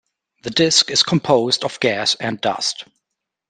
The disk is composed of gas and dust.